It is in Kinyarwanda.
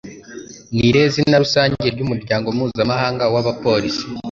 Ni irihe zina rusange ry’umuryango mpuzamahanga wa polisi?